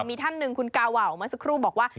มีท่านหนึ่งคุณกาวาวเมื่อสักครู่บอกว่า